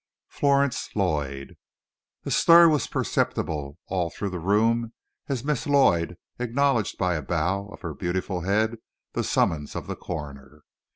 FLORENCE LLOYD A stir was perceptible all through the room as Miss Lloyd acknowledged by a bow of her beautiful head the summons of the coroner.